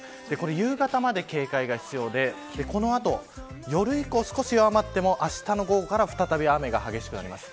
夕方まで警戒が必要でこの後、夜以降少し弱まってもあしたの午後から再び雨が激しくなります。